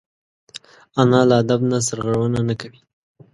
انا له ادب نه سرغړونه نه کوي